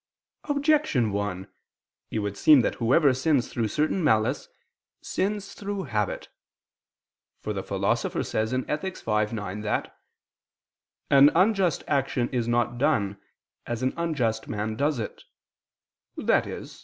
Objection 1: It would seem that whoever sins through certain malice, sins through habit. For the Philosopher says (Ethic. v, 9) that "an unjust action is not done as an unjust man does it," i.e.